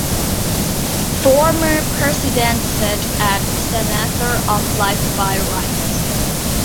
Former presidents sit as senators for life by right.